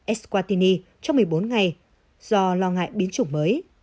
exquatini trong một mươi bốn ngày do lo ngại biến chủng mới